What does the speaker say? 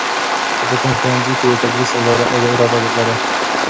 ته په کوم ښوونځي کې د تدریس اراده لرې؟